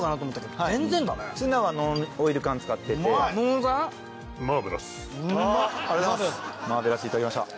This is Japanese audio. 「ウマーベラス」いただきました。